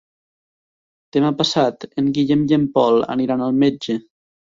Demà passat en Guillem i en Pol aniran al metge.